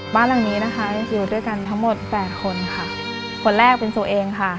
บ้านหลังนี้นะคะอยู่ด้วยกันทั้งหมดแปดคนค่ะคนแรกเป็นตัวเองค่ะ